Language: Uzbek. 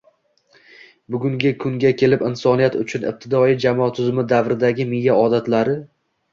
Bungi kunga kelib insoniyat uchun ibtidoiy jamoa tuzumi davridagi miya odatlari